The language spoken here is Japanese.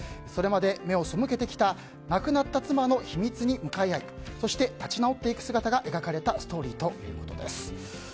それまで目を背けてきた亡くなった妻の秘密に向き合いそして、立ち直っていく姿が描かれたストーリーということです。